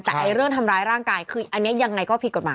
แต่เรื่องทำร้ายร่างกายคืออันนี้ยังไงก็ผิดกฎหมาย